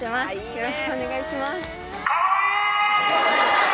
よろしくお願いします